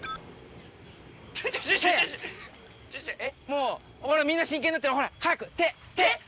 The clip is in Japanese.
もうほらみんな真剣になってるほら早く手。